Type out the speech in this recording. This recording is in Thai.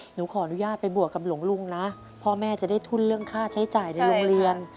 หนูขออนุญาตไปบวกกับหลวงลุงนะพ่อแม่จะได้ทุนเรื่องค่าใช้จ่ายในโรงเรียน